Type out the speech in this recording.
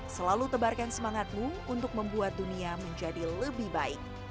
selalu tebarkan semangatmu untuk membuat dunia menjadi lebih baik